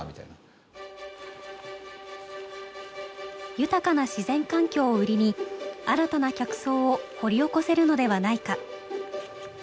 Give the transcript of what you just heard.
豊かな自然環境を売りに新たな客層を掘り起こせるのではないか。